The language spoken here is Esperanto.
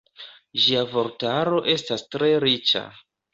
Ĝia vortaro estas tre riĉa.